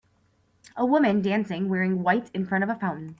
A woman dancing wearing white in front of a fountain.